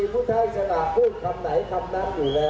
ผู้ใทยจะหากพูดคำไหนคำนั้นดูแล